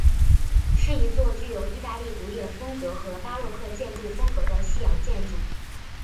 是一座具有意大利古典风格和巴洛克建筑风格的西洋建筑。